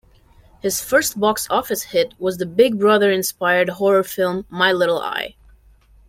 His first box office hit was the "Big Brother"-inspired horror film "My Little Eye".